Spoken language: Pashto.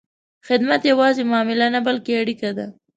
خدمت یوازې معامله نه، بلکې اړیکه ده.